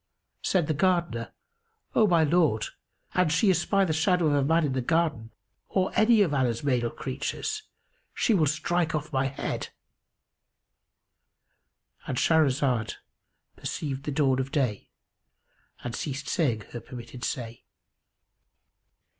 Said the Gardener, "O my lord, an she espy the shadow of a man in the garden or any of Allah's male creatures she will strike off my head;"——And Shahrazad perceived the dawn of day and ceased saying her permitted say.